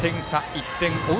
１点を追う